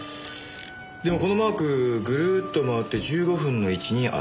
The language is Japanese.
でもこのマークぐるっと回って１５分の位置にあった。